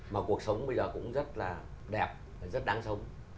mà cuộc sống bây giờ cũng rất là đẹp và rất đáng sống